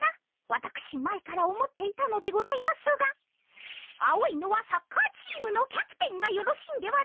わたくし前から思っていたのでございますが青いのはサッカーチームのキャプテンがよろしいんではないでしょうか？